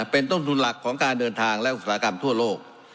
เป็นต้นทุนหลักของการเดินทางและอุตสาหกรรมทั่วโลก